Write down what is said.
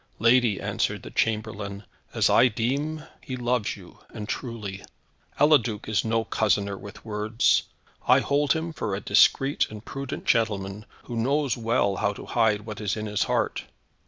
"Lady," answered the chamberlain, "as I deem, he loves you, and truly. Eliduc is no cozener with words. I hold him for a discreet and prudent gentleman, who knows well how to hide what is in his heart.